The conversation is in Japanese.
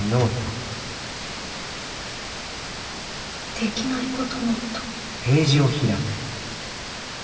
「できないことノート」。